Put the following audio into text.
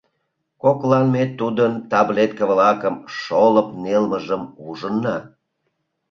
Коклан ме тудын таблетке-влакым шолып нелмыжым ужынна.